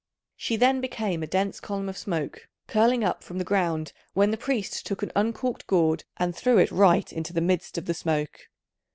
She then became a dense column of smoke curling up from the ground, when the priest took an uncorked gourd and threw it right into the midst of the smoke.